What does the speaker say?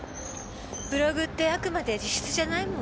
ブログってあくまで自筆じゃないもんね。